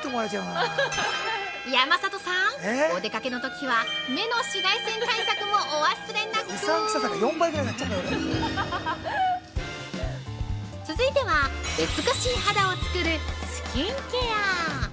山里さん、お出かけのときは目の紫外線対策もお忘れなく続いては、美しい肌を作るスキンケア。